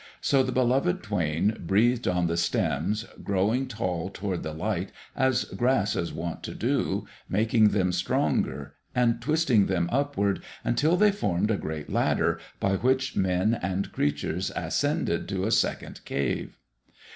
So the Beloved Twain breathed on the stems, growing tall toward the light as grass is wont to do, making them stronger, and twisting them upward until they formed a great ladder by which men and creatures ascended to a second cave.